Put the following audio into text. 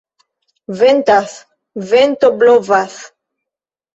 Ventas, vento blovas.